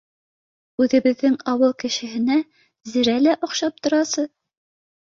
—Үҙебеҙҙең ауыл кешеһенә зерә лә оҡшап торасы